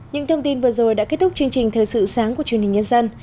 những thông tin vừa rồi đã kết thúc chương trình thời sự sáng của truyền hình nhân dân